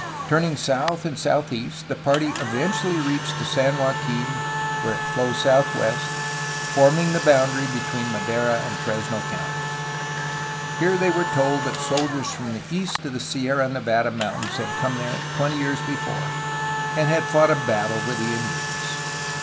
Turning south and southeast the party eventually reached the San Joaquin where it flows southwest, forming the boundary between Madera and Fresno counties. Here they were told that soldiers from east of the Sierra Nevada Mountains had come there twenty years before, and had fought a battle with the Indians.